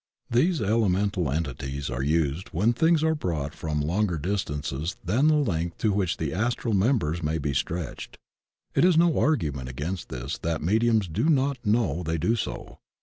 These elemental entities are used when things are brought from longer distances than the lengdi to which the Astral members may be stretched. It is no argument against this that mediums do not know they do so.